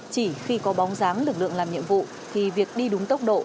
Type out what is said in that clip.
chỉ khi có bóng dáng lực lượng làm nhiệm vụ thì việc đi đúng tốc độ